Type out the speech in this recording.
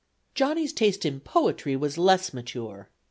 Johnny's taste in poetry was less mature.